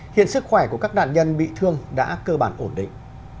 hiện sức khỏe của các nạn nhân bị thương đã cơ bản ổn định